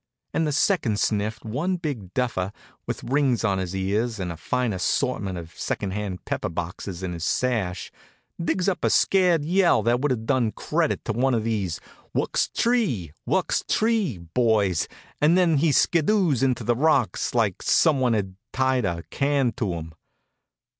At the second sniff one big duffer, with rings in his ears and a fine assortment of second hand pepper boxes in his sash, digs up a scared yell that would have done credit to one of these Wuxtre e e! Wuxtre e e! boys, and then he skiddoos into the rocks like some one had tied a can to him.